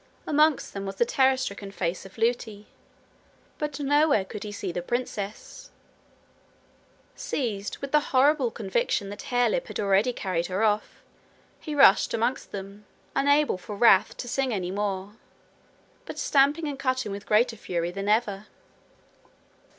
Amongst them was the terror stricken face of Lootie; but nowhere could he see the princess. Seized with the horrible conviction that Harelip had already carried her off, he rushed amongst them, unable for wrath to sing any more, but stamping and cutting with greater fury than ever.